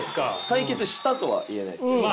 解決したとは言えないですけど。